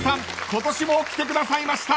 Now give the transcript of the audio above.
今年も来てくださいました。